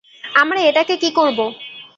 আমরা এটাকে কী করব?